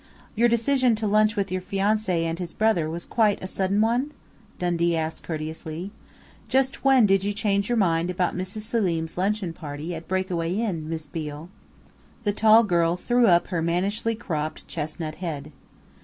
"Your decision to lunch with your fiancé and his brother was quite a sudden one?" Dundee asked courteously. "Just when did you change your mind about Mrs. Selim's luncheon party at Breakaway Inn, Miss Beale?" The tall girl threw up her mannishly cropped, chestnut head.